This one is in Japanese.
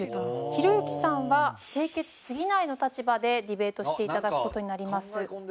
ひろゆきさんは「清潔すぎない」の立場でディベートしていただく事になります。